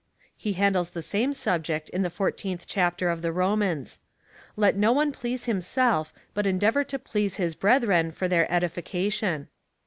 He handles the same sub ject in the 14th Chaj^ter of the Romans. Let no one please himself, hut endeavour to please his brethren for their edifica tion.